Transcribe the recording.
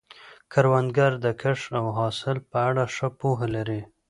کروندګر د کښت او حاصل په اړه ښه پوهه لري